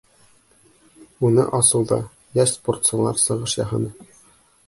Уны асыуҙа йәш спортсылар сығыш яһаны.